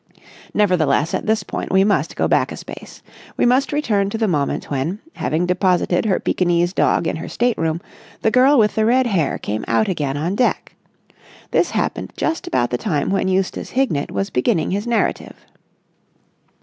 Nevertheless, at this point we must go back a space. We must return to the moment when, having deposited her Pekinese dog in her state room, the girl with the red hair came out again on deck. This happened just about the time when Eustace Hignett was beginning his narrative.